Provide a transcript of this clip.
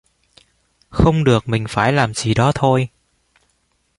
Không được mình phải làm gì đó thôi